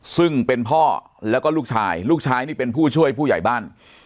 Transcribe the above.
ซึ่งเป็นพ่อแล้วก็ลูกชายลูกชายนี่เป็นผู้ช่วยผู้ใหญ่บ้าน